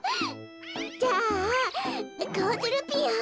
じゃあこうするぴよ。